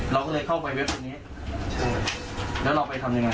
เราก็เลยเข้าไปเว็บตรงนี้แล้วเราไปทำยังไง